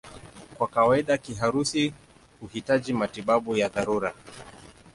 Kwa kawaida kiharusi huhitaji matibabu ya dharura.